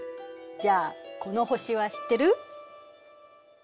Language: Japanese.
じゃあこの星は知ってる？